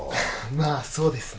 まあそうですね